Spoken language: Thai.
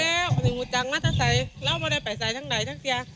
ไม่แล้วไม่รู้จังมันจะใส่เราไม่ได้ไปใส่ทั้งใดทั้งเจ้า